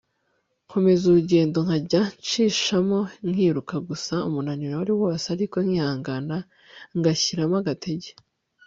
nkomeza urugendo nkajya nshishamo nkiruka gusa umunaniro wari wose ariko nkihangana ngashyiramo agatege